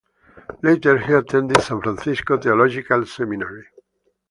Later he attended San Francisco Theological Seminary.